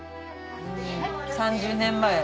３０年前。